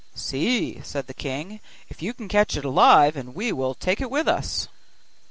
'See,' said the king, 'if you can catch it alive, and we will take it with us.